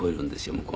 向こうの。